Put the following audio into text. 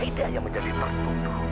itu ida yang menjadi tertutup